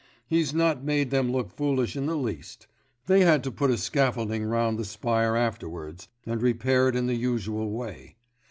He's not made them look foolish in the least; they had to put a scaffolding round the spire afterwards, and repair it in the usual way.